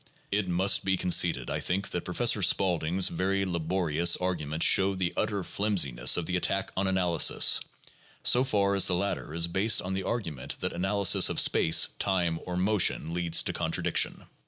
It must be conceded, I think, that Professor Spaulding 's very la borious arguments show the utter flimsiness of the attack on analysis, so far as the latter is based on the argument that analysis of space, time, or motion leads to contradiction.